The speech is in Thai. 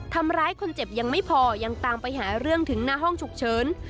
ทำร้ายคนเจ็บยังไม่พอยังตามไปหาเรื่องถึงหน้าห้องฉุกเฉิน